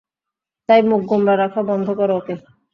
তাই মুখ গোমড়া রাখা বন্ধ করো, ওকে?